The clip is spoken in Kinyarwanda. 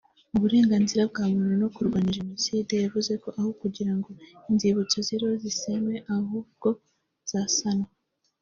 uburenganzira bwa muntu no kurwanya Jenoside yavuze ko aho kugira ngo inzibutso ziriho zisenywe ahubwo zasanwa